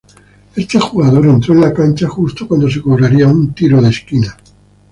Este jugador entró a la cancha justo cuando se cobraría un tiro de esquina.